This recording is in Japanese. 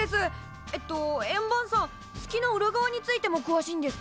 えっと円盤さん月の裏側についてもくわしいんですか？